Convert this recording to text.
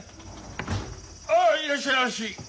あいらっしゃいまし！